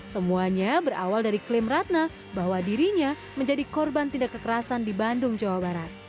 semuanya berawal dari klaim ratna bahwa dirinya menjadi korban tindak kekerasan di bandung jawa barat